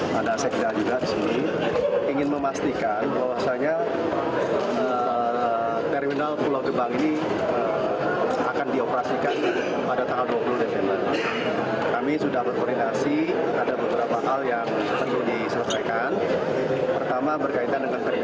menteri perhubungan budi karyasumadi berkata